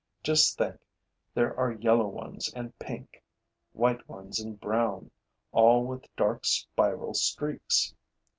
Just think, there are yellow ones and pink, white ones and brown, all with dark spiral streaks.